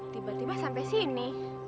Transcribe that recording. tiba tiba sampai sini